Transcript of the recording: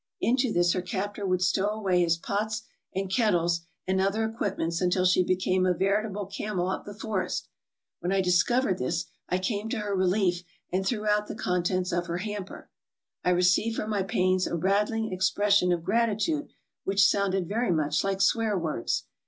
Into this her captor would stow away his pots and kettles and other equipments until she became a veritable camel of the forest. When I discovered this, I came to her relief and threw out the contents of her hamper. I received for my pains a rattling expression of gratitude which sounded very much like swear words.